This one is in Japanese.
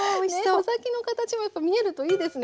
穂先の形もやっぱ見えるといいですね。